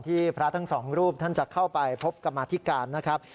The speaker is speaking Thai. พระทั้งสองรูปท่านจะเข้าไปพบกรรมาธิการนะครับ